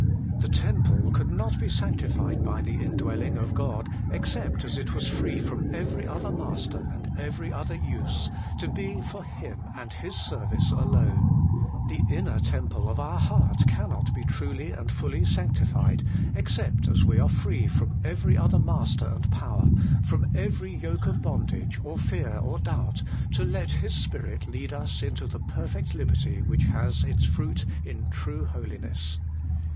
The temple could not be sanctified by the indwelling of God, except as it was free from every other master and every other use, to be for Him and His service alone. The inner temple of our heart cannot be truly and HOLINESS AND LIBERTY. 181 fully sanctified, except as we are free from every other master and power, from every yoke of bond age, or fear, or doubt, to let His Spirit lead us into the perfect liberty which has its fruit in true holiness.